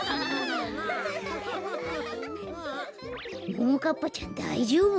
ももかっぱちゃんだいじょうぶ？